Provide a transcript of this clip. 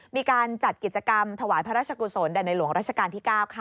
มีการจัดกิจกรรมถวายพระราชกุศลแด่ในหลวงราชการที่๙ค่ะ